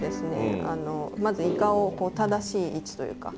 まずイカを正しい位置というか。